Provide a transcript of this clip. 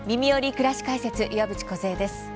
くらし解説」岩渕梢です。